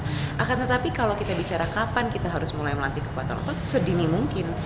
akan tetapi kalau kita bicara kapan kita harus mulai melantik kekuatan otot sedini mungkin